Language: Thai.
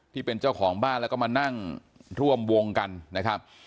ที่เป็นเจ้าของบ้านแล้วก็มานั่งร่วมวงกันนะครับ